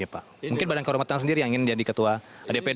mungkin badan kehormatan sendiri yang ingin jadi ketua dpd